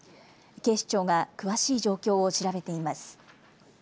警視庁が詳しい状況を調べています。